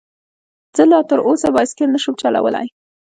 زه لا تر اوسه بايسکل نشم چلولی